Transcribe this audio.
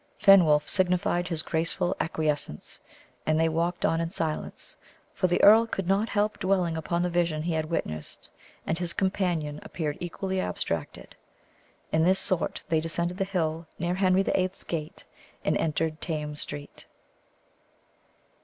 Fenwolf signified his graceful acquiescence, and they walked on in silence, for the earl could not help dwelling upon the vision he had witnessed, and his companion appeared equally abstracted. In this sort they descended the hill near Henry the Eighth's Gate, and entered Thames Street.